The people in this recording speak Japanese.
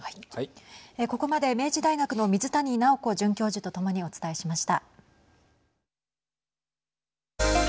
ここまで明治大学の水谷尚子准教授とともにお伝えしました。